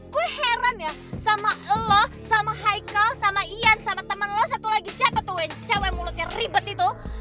gue heran ya sama lo sama haikal sama ian sama temen lo satu lagi siapa tuh yang cewek mulutnya ribet itu